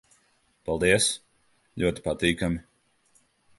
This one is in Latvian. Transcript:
Paldies. Ļoti patīkami...